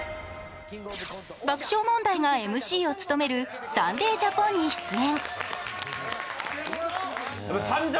爆笑問題がＭＣを務める「サンデー・ジャポン」に出演。